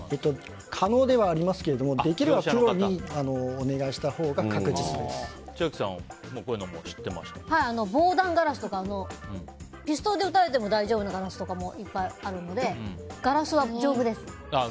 可能ではありますけどもできればプロに千秋さん、こういうの防弾ガラスとかピストルで撃たれても大丈夫なガラスとかもいっぱいあるのでガラスは丈夫です。